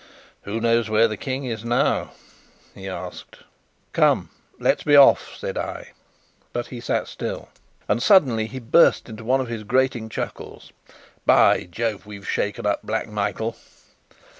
"Who knows where the King is now?" he asked. "Come, let's be off!" said I; but he sat still. And suddenly he burst into one of his grating chuckles: "By Jove, we've shaken up Black Michael!"